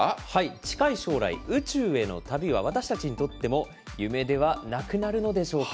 近い将来、宇宙への旅は私たちにとっても夢ではなくなるのでしょうか。